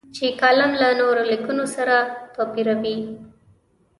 چې کالم له نورو لیکنو سره توپیروي.